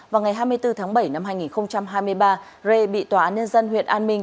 vào ngày hai mươi bốn tháng bảy năm hai nghìn hai mươi ba rê bị tòa án nhân dân huyện an minh